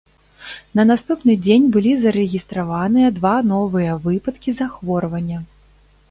На наступны дзень былі зарэгістраваныя два новыя выпадкі захворвання.